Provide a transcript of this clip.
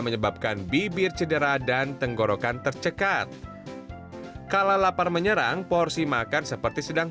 menyebabkan bibir cedera dan tenggorokan tercekat kalau lapar menyerang porsi makan seperti sedang